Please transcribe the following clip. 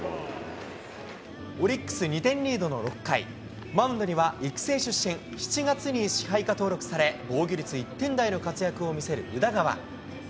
オリックス２点リードの６回、マウンドには育成出身、７月に支配下登録され、防御率１点台の活躍を見せる宇田川。